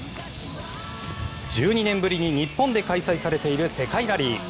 １２年ぶりに日本で開催されている世界ラリー。